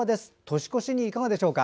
年越しにいかがでしょうか。